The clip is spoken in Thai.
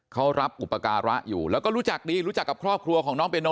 เขารับอุปการะอยู่แล้วก็รู้จักดีรู้จักกับครอบครัวของน้องเโน